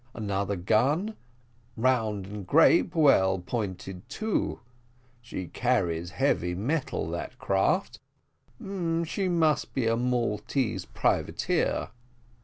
Another gun, round and grape, and well pointed too; she carries heavy metal, that craft; she must be a Maltese privateer."